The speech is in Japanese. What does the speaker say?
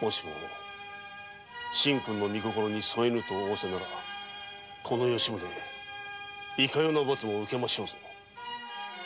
もしも神君の御心に添わぬと仰せならこの吉宗いかような罰も受けましょうぞ。